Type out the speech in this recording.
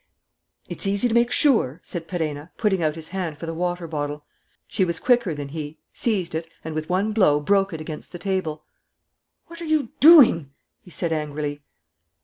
"It's easy to make sure," said Perenna, putting out his hand for the water bottle. She was quicker than he, seized it and, with one blow, broke it against the table. "What are you doing?" he said angrily.